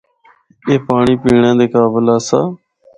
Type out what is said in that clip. اے پانڑی پینڑا دے قابل آسا۔